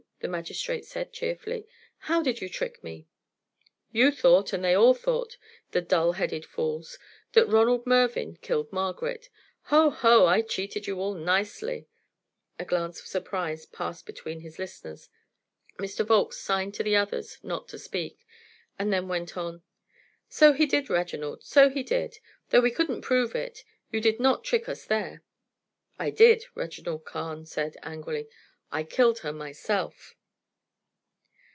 the magistrate said, cheerfully. "How did you trick me?" "You thought, and they all thought, the dull headed fools, that Ronald Mervyn killed Margaret. Ho! ho! I cheated you all nicely." A glance of surprise passed between his listeners. Mr. Volkes signed to the others not to speak, and then went on: "So he did, Reginald, so he did though we couldn't prove it; you did not trick us there." "I did," Reginald Carne said, angrily. "I killed her myself." [Illustration: "'_I did,' Reginald Carne said, angrily 'I killed her myself.